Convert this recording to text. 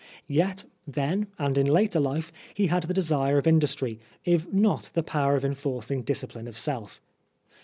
Yet, then and in later life, he had the desire of industry, if not the power of enforcing dis cipline of self.